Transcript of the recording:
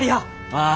ああ。